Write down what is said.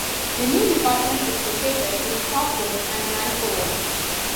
The new department is located in Stockholm and Vancouver.